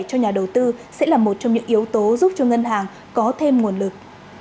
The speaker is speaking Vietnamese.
cho nhà đầu tư sẽ là một trong những yếu tố giúp cho ngân hàng có thêm nguồn lực